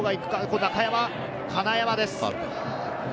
中山、金山です。